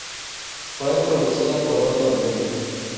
Fue producida por Dr. Dre.